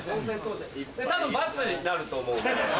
多分「×」になると思うんで。